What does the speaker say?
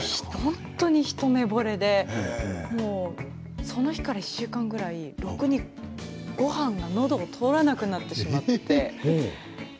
本当に、一目ぼれでその日から１週間ぐらいろくに、ごはんがのどを通らなくなってしまって。